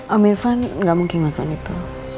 om irfan gak mungkin melakukan itu